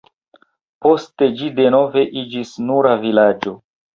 Poste ĝi denove iĝis nura vilaĝo.